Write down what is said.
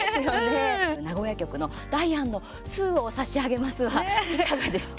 名古屋局の「ダイアンの寿を差し上げます！！」はいかがでした？